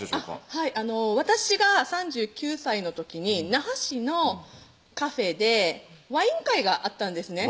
はい私が３９歳の時に那覇市のカフェでワイン会があったんですね